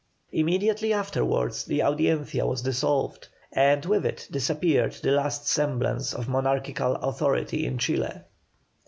Immediately afterwards the Audiencia was dissolved, and with it disappeared the last semblance of monarchical authority in Chile.